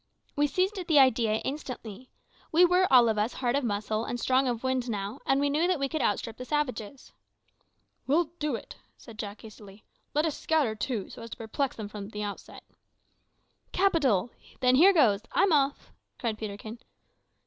We seized at the idea instantly. We were all of us hard of muscle and strong of wind now, and we knew that we could outstrip the savages. "We'll do it!" said Jack hastily. "Let us scatter, too, so as to perplex them at the outset." "Capital! Then here goes. I'm off," cried Peterkin.